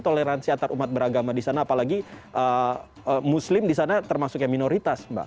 toleransi antar umat beragama di sana apalagi muslim di sana termasuknya minoritas mbak